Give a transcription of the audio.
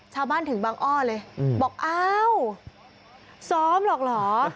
ถึงบางอ้อเลยบอกอ้าวซ้อมหรอกเหรอ